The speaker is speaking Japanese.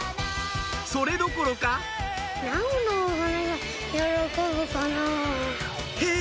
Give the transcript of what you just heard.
それどころかへぇ！